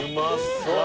そう